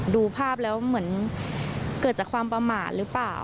ดูภาพแล้วเหมือนเกิดจากความประมาทหรือเปล่า